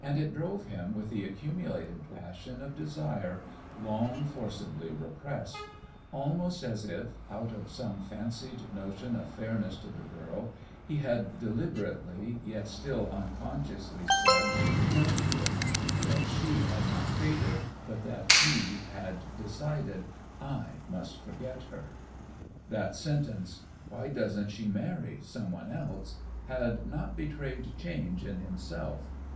And it drove him with the accumulated passion of desire long forcibly repressed; almost as if, out of some fancied notion of fairness to the girl, he had deliberately, yet still unconsciously, said "No" to it; that she had not faded, but that he had decided, "I must forget her." That sentence: "Why doesn't she marry some one else?" had not betrayed change in himself.